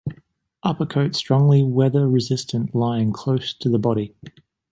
Upper coat strongly weather-resistant lying close to body.